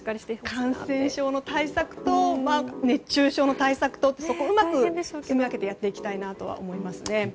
感染症の対策と熱中症の対策とそこをうまくすみ分けてやっていきたいですね。